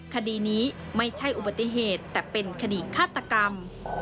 คดีนี้ไม่ใช่อุบัติเหตุแต่เป็นคดีฆาตกรรม